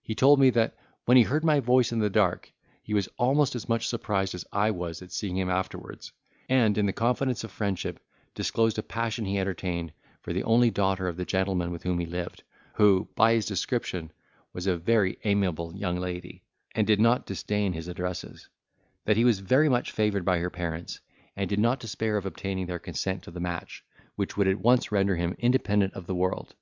He told me that, when he heard my voice in the dark, he was almost as much surprised as I was at seeing him afterwards: and, in the confidence of friendship, disclosed a passion he entertained for the only daughter of the gentleman with whom he lived, who, by his description, was a very amiable young lady, and did not disdain his addresses; that he was very much favoured by her parents; and did not despair of obtaining their consent to the match, which would at once render him independent of the world.